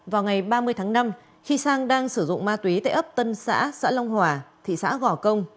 vào ngày ba mươi tháng năm khi sang đang sử dụng ma túy tại ấp tân xã xã long hòa thị xã gò công